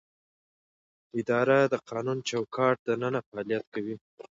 اداره د قانوني چوکاټ دننه فعالیت کوي.